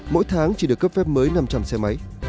mỗi tháng chỉ được cấp phép mới năm trăm linh xe máy